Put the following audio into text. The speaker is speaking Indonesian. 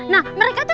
nah mereka itu